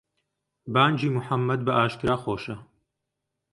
بانگی موحەممەد بەئاشکرا خۆشە.